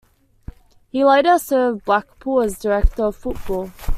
He later served Blackpool as director of football.